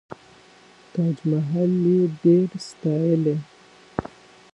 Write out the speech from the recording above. تاج محل یې ډېر ستایلی.